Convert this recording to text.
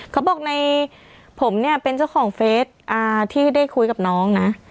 เขาบอกในผมเนี่ยเป็นเจ้าของเฟสที่ได้คุยกับน้องนะ